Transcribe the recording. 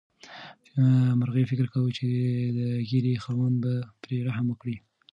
مرغۍ فکر کاوه چې د ږیرې خاوند به پرې رحم وکړي.